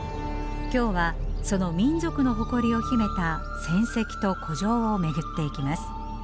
今日はその民族の誇りを秘めた戦跡と古城を巡っていきます。